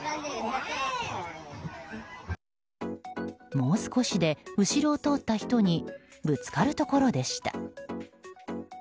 もう少しで、後ろを通った人にぶつかるところでした。